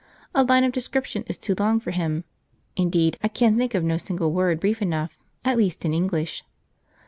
A line of description is too long for him. Indeed, I can think of no single word brief enough, at least in English.